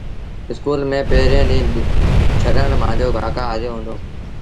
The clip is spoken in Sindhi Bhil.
اسڪول ميݩ پيريٚݩ ڏيٚݩهݩ ڇڏڻ لآ مآݩجو ڪآڪو هليو هُݩدو۔